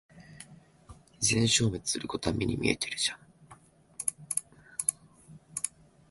自然消滅することは目に見えてるじゃん。